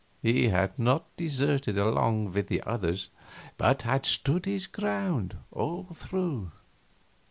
He had not deserted along with the others, but had stood his ground all through.